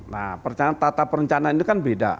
nah perencanaan tata perencanaan itu kan beda